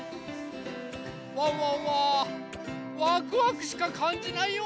ワンワンはワクワクしかかんじないよ！